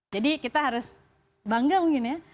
jadi kita harus bangga mungkin ya